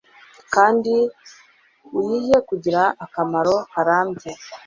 kandi uyihe kugira akamaro karambye